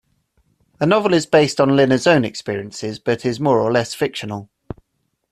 The novel is based on Linna's own experiences, but is more or less fictional.